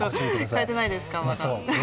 かえてないですか、まだ。